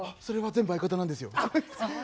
それは全部相方なんですよ。